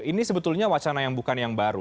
ini sebetulnya wacana yang bukan yang baru